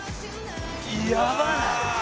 「やばない？」